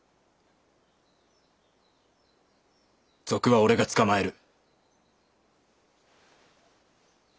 賊は俺が捕まえる。